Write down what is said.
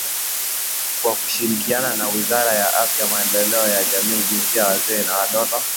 Kwa kushirikiana na Wizara ya Afya Maendeleo ya Jamii Jinsia Wazee na Watoto